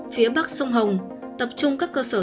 phía bắc sông hồng tập trung các cơ sở